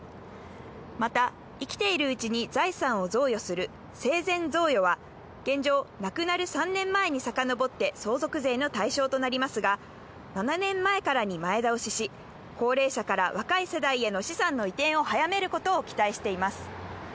また生きているうちに財産を贈与する生前贈与は現状、亡くなる３年前にさかのぼって相続税の対象となりますが、７年前からに前倒しし、高齢者から若い世代への資産の移転を早めることを期待しています。